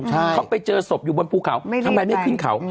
เขาไปเจอศพอยู่บนภูเขาทำไมไม่ขึ้นเขา